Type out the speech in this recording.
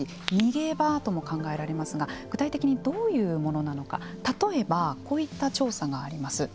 逃げ場とも考えられますが具体的にどういうものなのか例えばこういった調査があります。